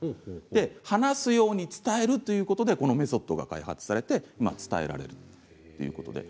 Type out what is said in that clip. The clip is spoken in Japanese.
話すように伝えるということでこのメソッドが開発されて伝えられるということで。